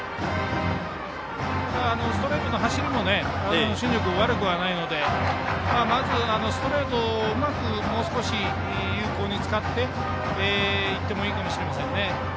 ストレートの走りも新庄君は悪くないのでまず、ストレートをもう少し有効に使っていってもいいかもしれませんね。